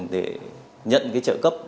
để nhận trợ cấp